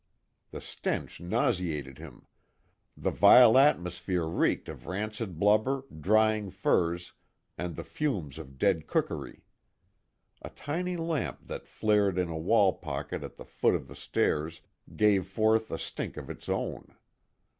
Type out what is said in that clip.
The stench nauseated him the vile atmosphere reeked of rancid blubber, drying furs, and the fumes of dead cookery. A tiny lamp that flared in a wall pocket at the foot of the stairs gave forth a stink of its own.